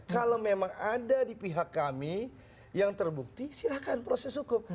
kalau memang ada di pihak kami yang terbukti silahkan proses hukum